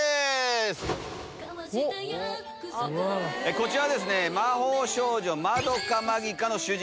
こちらですね。